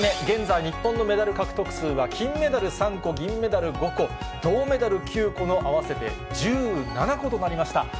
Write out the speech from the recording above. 現在、日本のメダル獲得数は金メダル３個、銀メダル５個、銅メダル９個の合わせて１７個となりました。